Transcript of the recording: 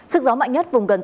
sức gió mạnh nhất vùng gần tây